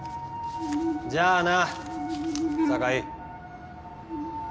じゃあな坂井。